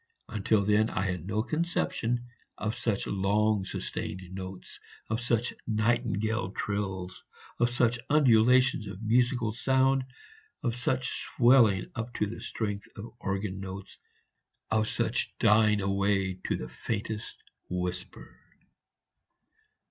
Until then I had had no conception of such long sustained notes, of such nightingale trills, of such undulations of musical sound, of such swelling up to the strength of organ notes, of such dying away to the faintest whisper.